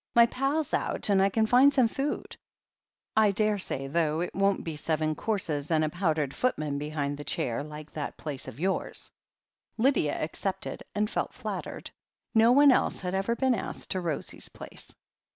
"My pal's out and I can find some food, I daresay, though it won't be seven courses and a pow dered footman behind the chair, like that place of yours." Lydia accepted, and felt flattered. No one else had ever been asked to Rosie's place.